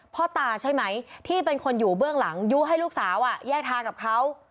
พ่อตาใช่ไหมที่เป็นคนอยู่เบื้องหลังยู้ให้ลูกสาวแยกทางกับเขา